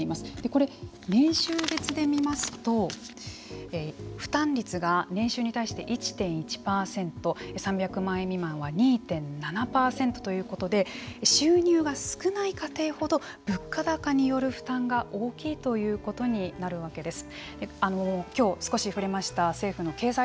これ、年収別で見ますと負担率が年収に対して１．１％３００万円未満は２．７％ということで収入が少ない家庭ほど物価高による負担が大きいということになるわけです。